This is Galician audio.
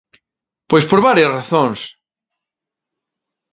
Pois por varias razóns.